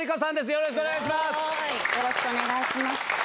よろしくお願いします。